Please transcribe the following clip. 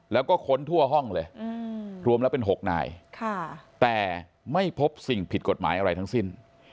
แล้วก็ค้นทั่วห้องเลยรวมแล้วเป็น๖นายแต่ไม่พบสิ่งผิดกฎหมายอะไรทั้งสิ้น